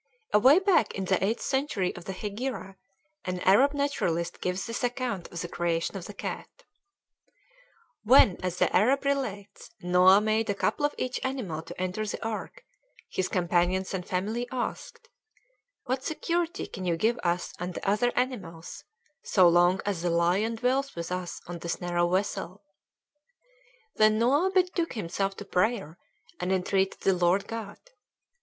Away back in the eighth century of the Hegira, an Arab naturalist gives this account of the creation of the cat: "When, as the Arab relates, Noah made a couple of each animal to enter the ark, his companions and family asked, 'What security can you give us and the other animals, so long as the lion dwells with us on this narrow vessel?' Then Noah betook himself to prayer, and entreated the Lord God.